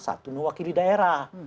satu mewakili daerah